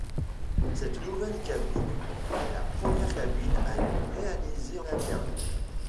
Cette nouvelle cabine est la première cabine à être réalisée en interne.